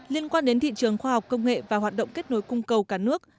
liên quan đến thị trường khoa học công nghệ và hoạt động kết nối cung cầu cả nước